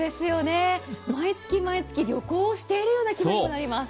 毎月毎月旅行をしているような気分になります。